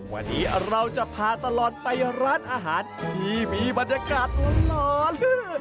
วันนี้เราจะพาตลอดไปร้านอาหารที่มีบรรยากาศหล่อลื่น